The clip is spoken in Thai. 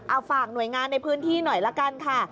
เอาฝากหน่วยงานในพื้นที่หน่อยละกันค่ะ